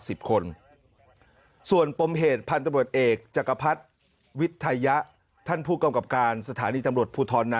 โทษนะเหิร์นส่วนปมเหตุพันธุ์บริเวสเอกจักรพรรษวิทยาท่านผู้กรรมกรารสถานีตำรวจพูทรนะ